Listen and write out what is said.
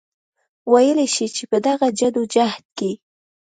وئيلی شي چې پۀ دغه جدوجهد کې